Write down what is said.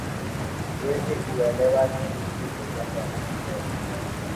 Siwezi kuelewa kitu chochote anachosema